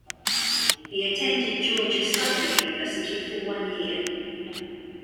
He attended Georgia Southern University for one year.